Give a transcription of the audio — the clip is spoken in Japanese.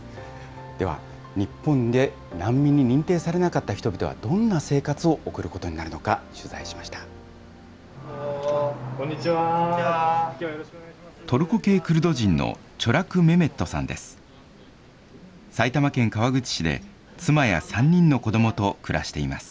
では、日本で難民に認定されなかった人々は、どんな生活を送ることになるのか、取材しました。